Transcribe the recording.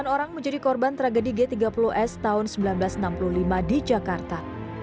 sembilan orang menjadi korban tragedi g tiga puluh s tahun seribu sembilan ratus enam puluh lima di jakarta